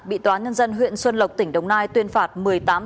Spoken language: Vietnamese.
bị tòa nhân dân huyện xuân lộc tỉnh đồng nai tuyên phạt một mươi tám tháng tù giam